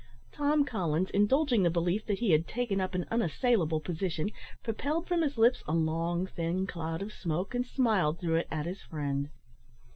Tom Collins, indulging the belief that he had taken up an unassailable position, propelled from his lips a long thin cloud of smoke, and smiled through it at his friend.